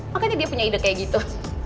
makanya dia punya ide kayak gitu